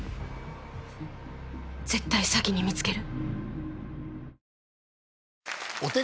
絶対先に見つける。